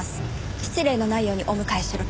失礼のないようにお迎えしろと。